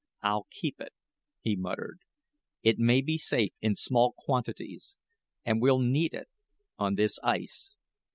"I'll keep it," he muttered; "it may be safe in small quantities, and we'll need it on this ice."